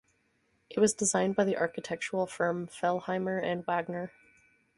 It was designed by the architectural firm Fellheimer and Wagner.